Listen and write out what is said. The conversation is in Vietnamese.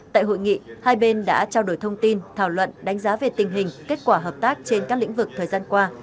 tại hội nghị hai bên đã trao đổi thông tin thảo luận đánh giá về tình hình kết quả hợp tác trên các lĩnh vực thời gian qua